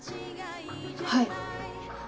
はい。